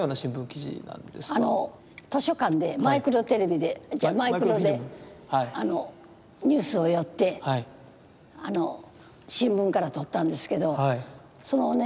図書館でマイクロテレビで違うマイクロでニュースをよって新聞から取ったんですけどそのね